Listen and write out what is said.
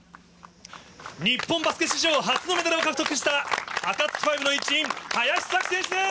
日本バスケ史上初のメダルを獲得した、アカツキファイブの一員、林咲希選手です。